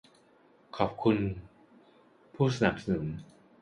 ขอขอบคุณผู้สนับสนุน